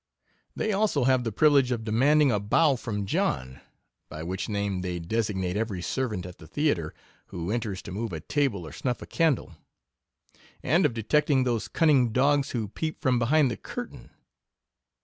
They also have the privilege of demanding a bow from John, (by which name they designate every servant at the theatre, who enters to move a table or snuff a candle) ; and of detecting those cun ning dogs who peep from behind the curtain.